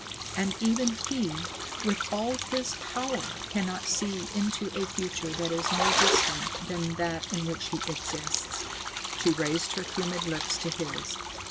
And even he, with all his power, cannot see into a future that is more distant than that in which he exists." She raised her humid lips to his.